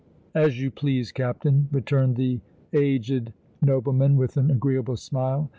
"As you please, Captain," returned the aged nobleman, with an agreeable smile.